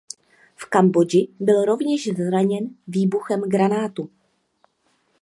V Kambodži byl rovněž zraněn výbuchem granátu.